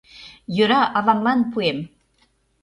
Йӧра, авамлан пуэм...